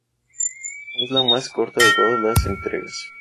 Es la más corta de todas las entregas.